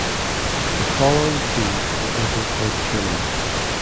The following teams were entered for the tournament.